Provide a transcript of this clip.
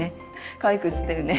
かわいく写ってるね！